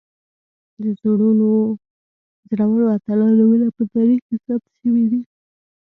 د زړورو اتلانو نومونه په تاریخ کې ثبت شوي دي.